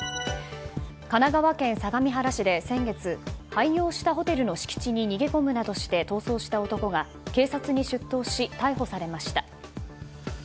神奈川県相模原市で先月廃業したホテルの敷地に逃げ込むなどして逃走した男が警察に出頭し逮捕されました。